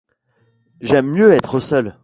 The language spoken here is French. J’aime mieux être seul.